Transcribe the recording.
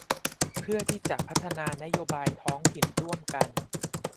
เพื่อที่จะพัฒนานโยบายท้องถิ่นร่วมกัน